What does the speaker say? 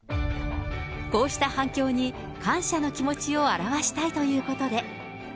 こうした反響に、感謝の気持ちを表したいということで。